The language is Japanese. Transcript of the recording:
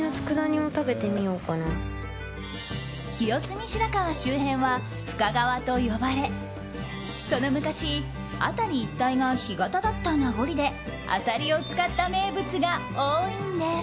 清澄白河周辺は深川と呼ばれその昔、辺り一帯が干潟だった名残でアサリを使った名物が多いんです。